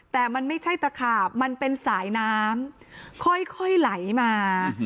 แต่มันไม่ใช่ตะขาบมันเป็นสายน้ำค่อยไหลมา